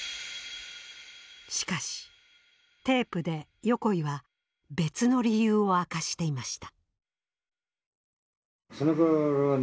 しかしテープで横井は別の理由を明かしていました。